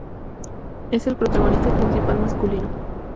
Es el protagonista principal masculino.